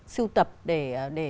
siêu tập để